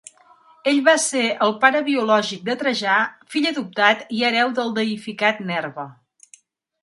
Ell va ser el pare biològic de Trajà, fill adoptat i hereu del deïficat Nerva.